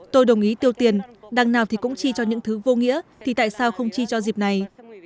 tôi đồng ý tiêu tiền đằng nào thì cũng chi cho những thứ vô nghĩa thì tại sao không chi cho dịp này